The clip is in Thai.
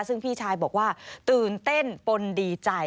ซึ่งพี่ชายบอกว่าตื่นเต้นปนดีใจ